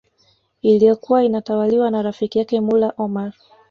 iliyokuwa inatawaliwa na rafiki yake Mullah Omar